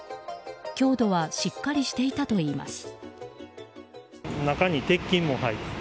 強度はしっかりしていたといいます。